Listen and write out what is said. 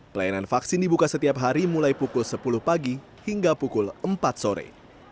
pelayanan vaksin dibuka setiap hari mulai pukul sepuluh pagi hingga pukul empat sore